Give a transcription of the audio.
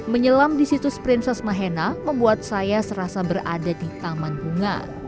menyelam di situs princess mahena membuat saya serasa berada di taman bunga